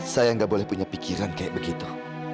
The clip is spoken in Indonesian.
saya tidak boleh punya pikiran seperti itu